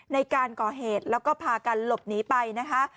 ในการก่อเหตุแล้วก็พากันหลบหนีไปนะคะ